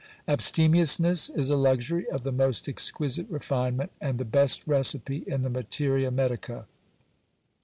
Abstemiousness is a luxury of the most exquisite refinement, and the best recipe in the materia medica.